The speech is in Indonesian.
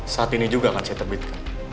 saat ini juga akan saya terbitkan